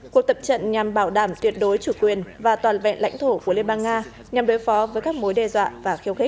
cuộc tập trận nhằm bảo đảm tuyệt đối chủ quyền và toàn vẹn lãnh thổ của liên bang nga nhằm đối phó với các mối đe dọa và khiêu khích